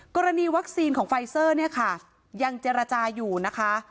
กรณีวัคซีนของไฟเซอร์ยังเจรจาอยู่นะคะ